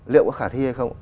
liệu có khả thi hay không